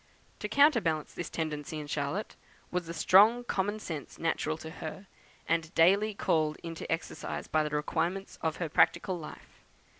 To counterbalance this tendency in Charlotte, was the strong common sense natural to her, and daily called into exercise by the requirements of her practical life.